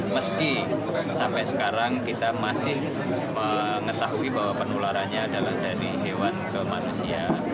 meski sampai sekarang kita masih mengetahui bahwa penularannya adalah dari hewan ke manusia